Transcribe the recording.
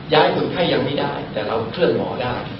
คนไข้ยังไม่ได้แต่เราเคลื่อนหมอได้